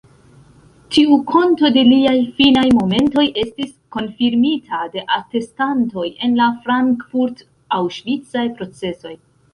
Tiu konto de liaj finaj momentoj estis konfirmita de atestantoj en la frankfurt-aŭŝvicaj procesoj.